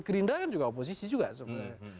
gerindra kan juga oposisi juga sebenarnya